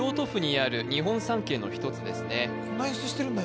こんな演出してるんだ